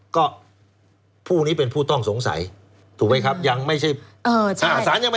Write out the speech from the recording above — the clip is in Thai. ก็ผู้นี้เป็นผู้ต้องสงสัยถูกมั้ยครับยังไม่ใช่